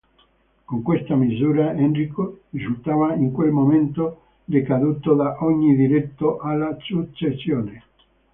Con questa misura, Enrico risultava in quel momento decaduto da ogni diritto alla successione.